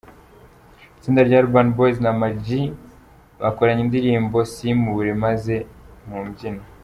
itsinda rya Urban Boyz na Ama-G bakoranye indirimbo Simubure maze mu mbyino.